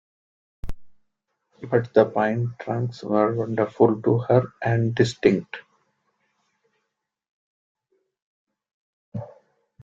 But the pine trunks were wonderful to her, and distinct.